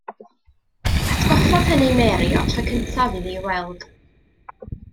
Atgoffodd hynny Mary o'r tro cyntaf iddi ei weld.